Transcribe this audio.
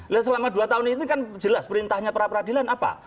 lihat selama dua tahun ini kan jelas perintahnya perapradilan apa